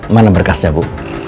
mana berkasnya bu